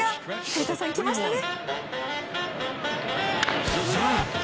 古田さん、来ましたね。